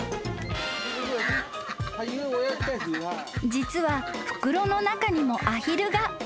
［実は袋の中にもアヒルが］